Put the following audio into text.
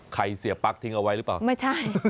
เสียปั๊กทิ้งเอาไว้หรือเปล่าไม่ใช่